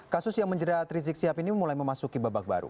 kasus yang menjerat rizik sihab ini mulai memasuki babak baru